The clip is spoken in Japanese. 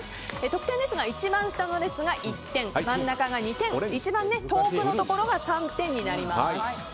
得点ですが一番下の列が１点真ん中が２点一番遠くが３点になります。